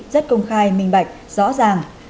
rất công khai minh bạch rõ ràng